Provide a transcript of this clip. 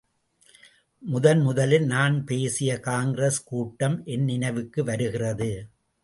முதன் முதலில் நான் பேசிய காங்கிரஸ், கூட்டம் என் நினைவுக்கு வருகிறது.